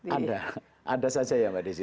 ada ada saja ya mbak desi